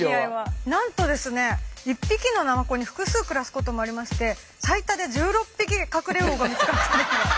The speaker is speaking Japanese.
なんとですね１匹のナマコに複数暮らすこともありまして最多で１６匹カクレウオが見つかったときも。